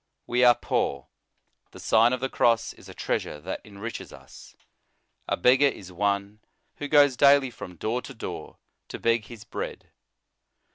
We are poor ; the Sign of the Cross is a treasure that enriches us. A beggar is one who goes daily from door to door to beg his bread.